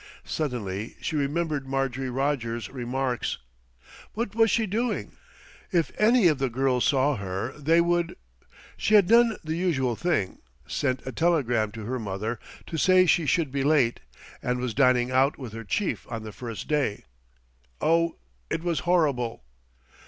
Suddenly she remembered Marjorie Rogers' remarks. What was she doing? If any of the girls saw her they would She had done the usual thing, sent a telegram to her mother to say she should be late, and was dining out with her chief on the first day Oh! it was horrible.